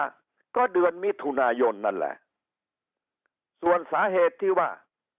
ก็เดือนมิถุนายนนั่นแหละส่วนสาเหตุที่ว่า